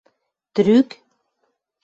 Трӱк